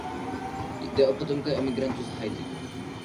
Jde o potomka emigrantů z Haiti.